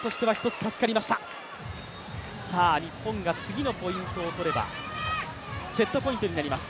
日本が次のポイントをとればセットポイントになります。